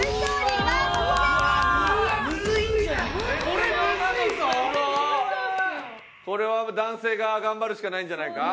これは男性が頑張るしかないんじゃないか？